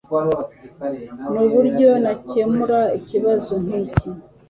Nuburyo nakemura ikibazo nkiki.